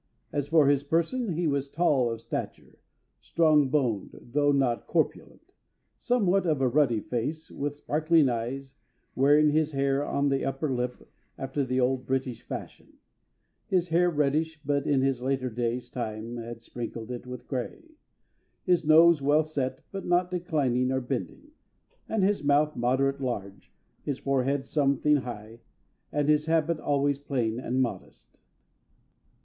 As for his person, he was tall of stature, strong boned, though not corpulent; somewhat of a ruddy face, with sparkling eyes, wearing his hair on the upper lip after the old British fashion; his hair reddish, but in his later days time had sprinkled it with gray; his nose well set, but not declining or bending, and his mouth moderate large, his forehead something high, and his habit always plain and modest."